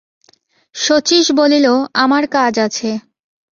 শচীশ বলিল, আমার কাজ আছে।